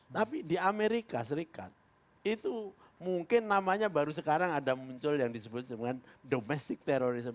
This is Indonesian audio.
tapi di amerika serikat itu mungkin namanya baru sekarang ada muncul yang disebut dengan domestic terrorism